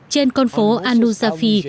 trên con phố al nusafi